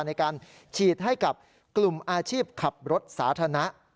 ในการฉีดให้กับกลุ่มอาชีพขับรถสาธารณะ